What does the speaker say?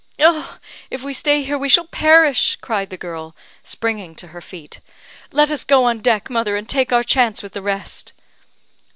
"If we stay here, we shall perish," cried the girl, springing to her feet. "Let us go on deck, mother, and take our chance with the rest."